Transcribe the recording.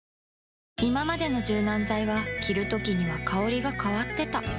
いままでの柔軟剤は着るときには香りが変わってた